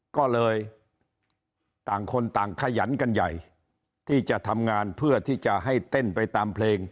ก็เลยต่างคนต่างขยันกันใหญ่ที่จะทำงานเพื่อที่จะให้เต้นไปตามเพลง